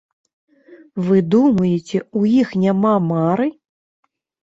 Вы думаеце, у іх няма мары?!